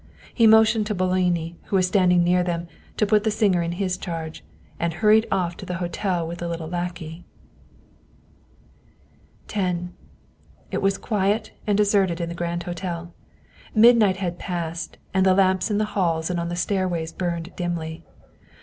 He motioned to Boloni, who was standing near them, put the singer in his charge, and hurried off to the hotel with the little lackey. X IT was quiet and deserted in the great hotel. Midnight had passed, and the lamps in the halls and on the stairways burned dimly. Dr.